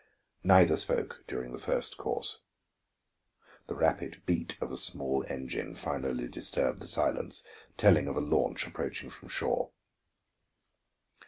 Neither spoke during the first course. The rapid beat of a small engine finally disturbed the silence, telling of a launch approaching from shore.